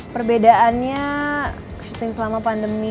perbedaannya syuting selama pandemi